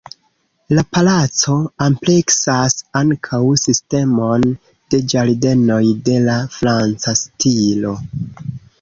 La palaco ampleksas ankaŭ sistemon de ĝardenoj de la franca stilo.